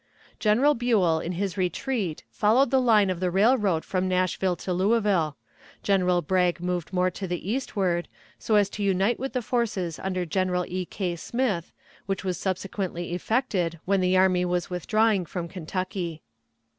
General Buell in his retreat followed the line of the railroad from Nashville to Louisville. General Bragg moved more to the eastward, so as to unite with the forces under General E. K. Smith, which was subsequently effected when the army was withdrawing from Kentucky.